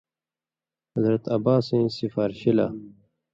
حضرت عباسَیں سِفارشی لا